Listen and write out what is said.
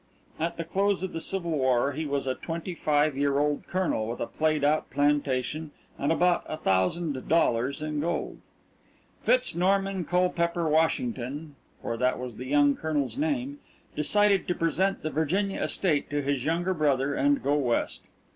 At the close of the Civil War he was a twenty five year old Colonel with a played out plantation and about a thousand dollars in gold. Fitz Norman Culpepper Washington, for that was the young Colonel's name, decided to present the Virginia estate to his younger brother and go West.